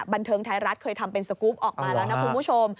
บันเทิงไทยรัฐเคยทำเป็นสกรูปออกมาแล้วนะคุณผู้ชม